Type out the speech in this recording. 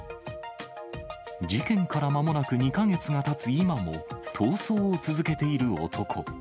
事件からまもなく２か月がたつ今も、逃走を続けている男。